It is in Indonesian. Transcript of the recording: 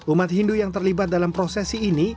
umat hindu yang terlibat dalam prosesi ini